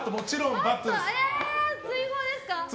追放ですか？